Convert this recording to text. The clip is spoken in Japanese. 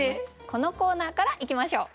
このコーナーからいきましょう。